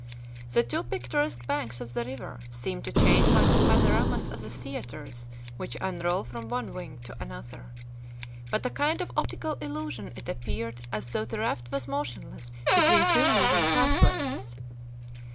The two picturesque banks of the river seemed to change like the panoramas of the theaters which unroll from one wing to another. By a kind of optical illusion it appeared as though the raft was motionless between two moving pathways.